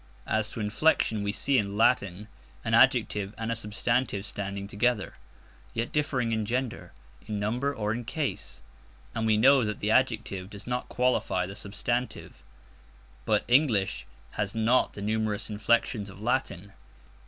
As to inflection, we see in Latin an adjective and a substantive standing together, yet differing in gender, in number, or in case; and we know that the adjective does not qualify the substantive. But English has not the numerous inflections of Latin.